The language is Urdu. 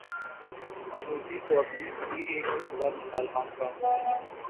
عمودی توسیع کی ایک عمدہ مثال ہانگ کانگ ہے۔